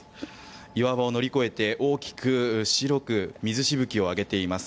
岩場を乗り越えて大きく白く水しぶきを上げています。